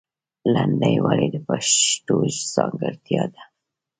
لندۍ ولې د پښتو ځانګړتیا ده؟